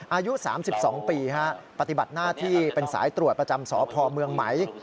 อายุ๓๒ปีปฏิบัติหน้าที่เป็นสายตรวจประจำสพเมืองไหม